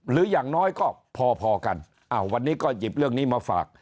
อย่างน้อยก็พอกันวันนี้ก็หยิบเรื่องนี้มาฝาก